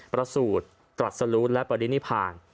ประสูรตรัสลุงและปริณิพาง